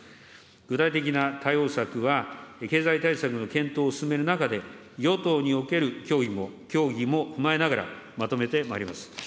具体的な対応策は、経済対策の検討を進める中で、与党における協議も踏まえながらまとめてまいります。